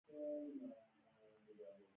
مور باید د ماشوم تبه چیک کړي۔